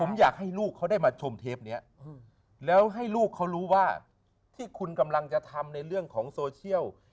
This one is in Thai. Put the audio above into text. ผมอยากให้ลูกเขาได้มาชมเทปนี้แล้วให้ลูกเขารู้ว่าที่คุณกำลังจะทำในเรื่องของโซเชียล